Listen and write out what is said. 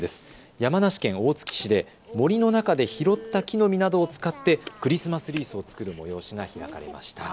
山梨県大月市で森の中で拾った木の実などを使ってクリスマスリースを作る催しが開かれました。